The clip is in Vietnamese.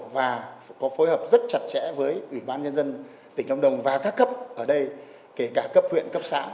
và phối hợp rất chặt chẽ với ủy ban nhân dân tỉnh lâm đồng và các cấp ở đây kể cả cấp huyện cấp xã